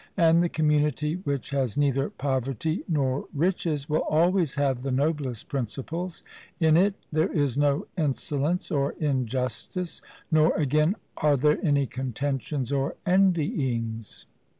And the community which has neither poverty nor riches will always have the noblest principles; in it there is no insolence or injustice, nor, again, are there any contentions or envyings.